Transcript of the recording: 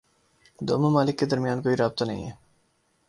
دو ممالک کے درمیان کوئی رابطہ نہیں ہے۔